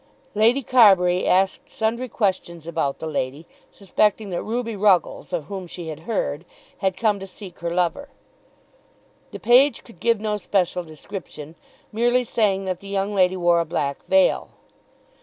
Lady Carbury asked sundry questions about the lady, suspecting that Ruby Ruggles, of whom she had heard, had come to seek her lover. The page could give no special description, merely saying that the young lady wore a black veil.